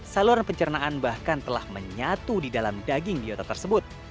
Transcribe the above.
saluran pencernaan bahkan telah menyatu di dalam daging biota tersebut